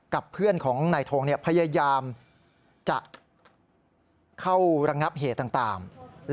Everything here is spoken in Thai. เพื่อนของนายทงพยายามจะเข้าระงับเหตุต่าง